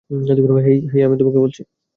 হেই, তোমাকে বলছি!